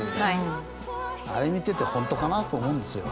あれ見てて本当かな？と思うんですよ。